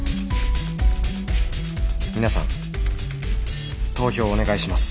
「皆さん投票をお願いします」。